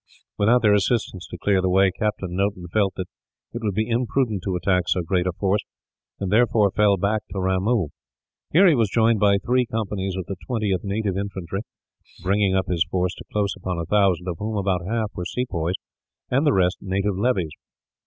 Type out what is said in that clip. Without their assistance to clear the way, Captain Noton felt that it would be imprudent to attack so great a force; and therefore fell back to Ramoo. Here he was joined by three companies of the 20th Native Infantry, bringing up his force to close upon a thousand; of whom about half were sepoys, and the rest native levies.